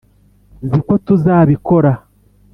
nzi ko tuzabikora